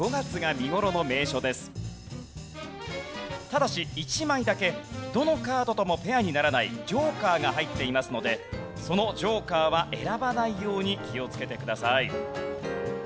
ただし１枚だけどのカードともペアにならないジョーカーが入っていますのでそのジョーカーは選ばないように気をつけてください。